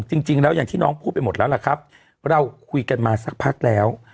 จริงแล้วอย่างที่น้องพูดไปหมดแล้วล่ะครับเราคุยกันมาสักพักแล้ว